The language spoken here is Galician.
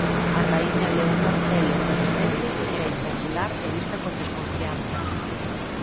A raíña Leonor Teles de Meneses era impopular e vista con desconfianza.